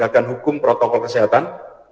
dan penegakan hukum protokol kesehatan